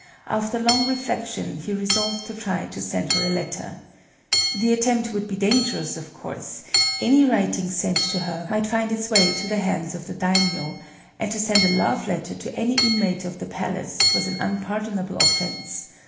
After long reflection, he resolved to try to send her a letter. The attempt would be dangerous, of course: any writing sent to her might find its way to the hands of the daimyō; and to send a love letter to any inmate of the place was an unpardonable offense.